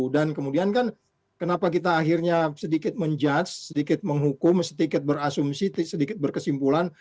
dan kemudian kan kenapa kita akhirnya sedikit menjudge sedikit menghukum sedikit berasumsi sedikit berkesimpulan